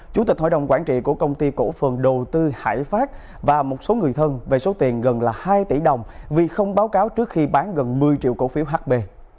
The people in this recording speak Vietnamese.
chủ tịch hội đồng quản trị của công ty cổ phần đầu tư hải phát và một số người thân về số tiền gần hai tỷ đồng vì không báo cáo trước khi bán gần một mươi triệu cổ phiếu hb